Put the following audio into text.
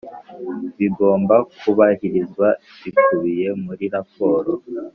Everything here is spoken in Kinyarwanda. Ibigomba kubahirizwa bikubiye muri raporo